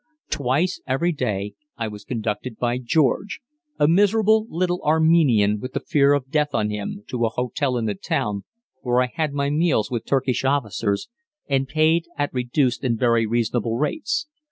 Twice every day I was conducted by George, a miserable little Armenian with the fear of death on him, to a hotel in the town, where I had my meals with Turkish officers, and paid at reduced and very reasonable rates.